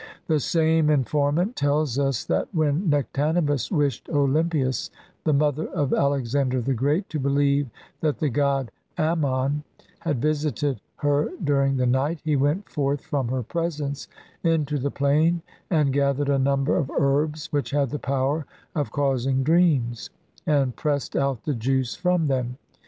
The same informant tells us that when Nectanebus wished Olympias, the mother of Alexander the Great, to believe that the god Am nion had visited her during the night, he went forth from her presence into the plain and gathered a number of herbs which had the power of causing dreams, and pressed out the juice from them.